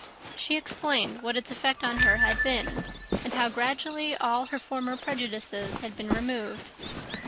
She explained what its effects on her had been, and how gradually all her former prejudices had been removed.